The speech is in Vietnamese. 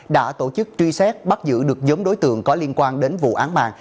đã tổ chức truy xét bắt giữ được giống đối tượng có liên quan đến vụ án mạng